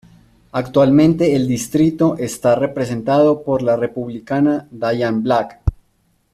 Actualmente el distrito está representado por la Republicana Diane Black.